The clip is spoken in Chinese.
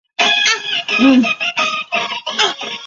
该撞击坑也是精神号探测车在降落途中防热盾的落下地点。